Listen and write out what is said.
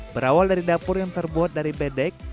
berawal dari dapur yang terbuat dari bedek